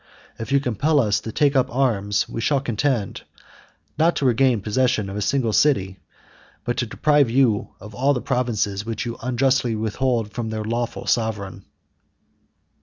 If you compel us to take up arms, we shall contend, not to regain the possession of a single city, but to deprive you of all the provinces which you unjustly withhold from their lawful sovereign."